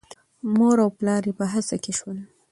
مور او پلار یې په هڅه کې شول.